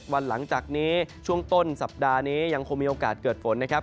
วันหลังจากนี้ช่วงต้นสัปดาห์นี้ยังคงมีโอกาสเกิดฝนนะครับ